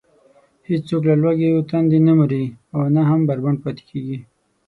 هېڅوک له لوږې و تندې نه مري او نه هم بربنډ پاتې کېږي.